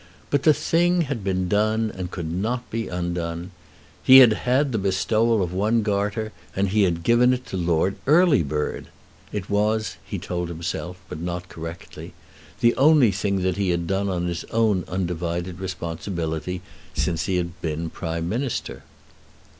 But the thing had been done and could not be undone. He had had the bestowal of one Garter, and he had given it to Lord Earlybird! It was, he told himself, but not correctly, the only thing that he had done on his own undivided responsibility since he had been Prime Minister.